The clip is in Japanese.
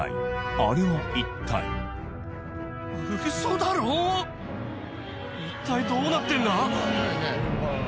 あれは一体・ウソだろ・一体どうなってんだ